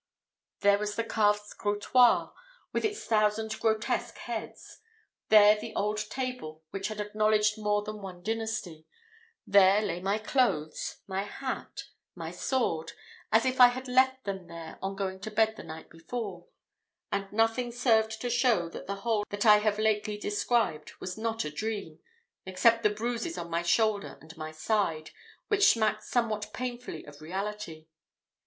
There was the carved scrutoire, with its thousand grotesque heads; there the old table which had acknowledged more than one dynasty; there lay my clothes, my hat, my sword, as if I had left them there on going to bed the night before; and nothing served to show that the whole I have lately described was not a dream, except the bruises on my shoulder and side, which smacked somewhat painfully of reality.